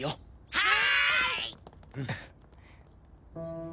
はい！